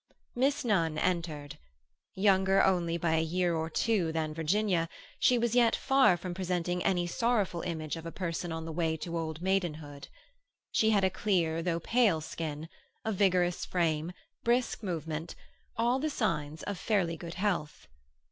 Miss Nunn entered. Younger only by a year or two than Virginia, she was yet far from presenting any sorrowful image of a person on the way to old maidenhood. She had a clear though pale skin, a vigorous frame, a brisk movement—all the signs of fairly good health.